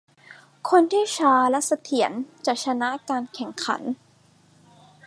คนที่ช้าและเสถียรจะชนะการแข่งขัน